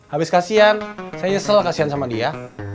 habis kasian saya nyesel kasian sama dia